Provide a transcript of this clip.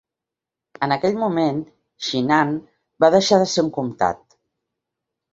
En aquell moment, Xin'an va deixar de ser un comtat.